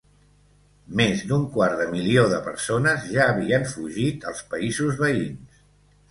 Més d'un quart de milió de persones ja havien fugit als països veïns.